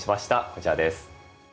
こちらです。